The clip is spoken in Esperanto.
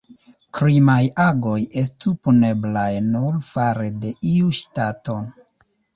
Krimaj agoj estu puneblaj nur fare de iu ŝtato.